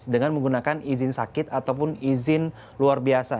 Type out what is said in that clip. dengan menggunakan izin sakit ataupun izin luar biasa